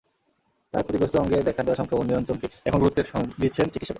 তার ক্ষতিগ্রস্ত অঙ্গে দেখা দেওয়া সংক্রমণ নিয়ন্ত্রণকেই এখন গুরুত্ব দিচ্ছেন চিকিৎসকেরা।